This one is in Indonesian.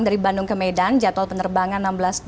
dari bandung ke medan jadwal penerbangan